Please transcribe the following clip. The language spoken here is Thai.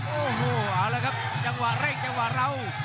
โอ้โหเอาละครับจังหวะเร่งจังหวะเรา